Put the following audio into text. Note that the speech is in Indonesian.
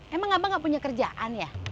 emang abang gak punya kerjaan ya